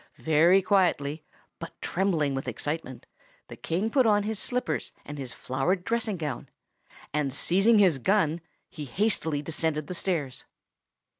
Very quietly, but trembling with excitement, the King put on his slippers and his flowered dressing gown, and seizing his gun, he hastily descended the stairs.